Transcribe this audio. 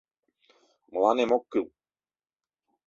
Мыланем ок кӱл...